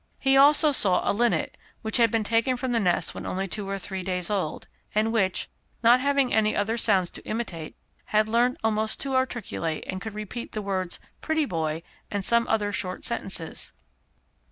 He also saw a linnet, which had been taken from the nest when only two or three days old, and which, not having any other sounds to imitate, had learnt almost to articulate, and could repeat the words "Pretty Boy," and some other short sentences.